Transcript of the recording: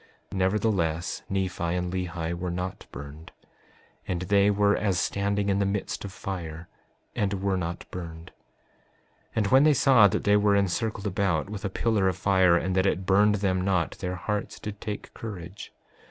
Nevertheless, Nephi and Lehi were not burned; and they were as standing in the midst of fire and were not burned. 5:24 And when they saw that they were encircled about with a pillar of fire, and that it burned them not, their hearts did take courage.